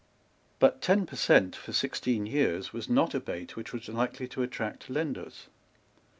But ten per cent. for sixteen years was not a bait which was likely to attract lenders.